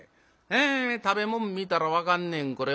え食べ物見たら分かんねんこれ。